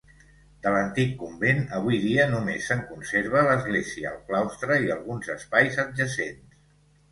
De l'antic convent, avui dia només se'n conserva l'església, el claustre i alguns espais adjacents.